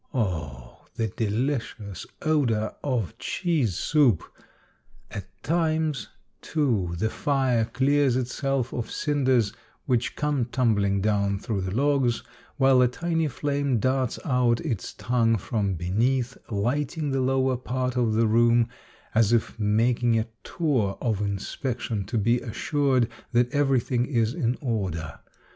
Oh ! the delicious odor of cheese soup ! At times too the fire clears itself of cinders, which come tumbling down through the logs, while a tiny flame darts out its tongue from beneath, Cheese Soup, 233 lighting the lower part of the room, as if making a tour of inspection to be assured that everything is in order.